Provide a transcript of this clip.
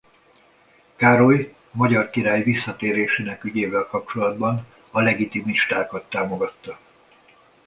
Károly magyar király visszatérésének ügyével kapcsolatban a legitimistákat támogatta.